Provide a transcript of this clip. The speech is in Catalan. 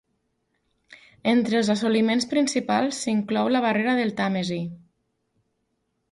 Entre els assoliments principals, s'inclou la barrera del Tàmesi.